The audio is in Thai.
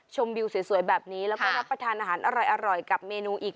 วิวสวยแบบนี้แล้วก็รับประทานอาหารอร่อยกับเมนูอีก